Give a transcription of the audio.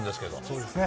そうですね。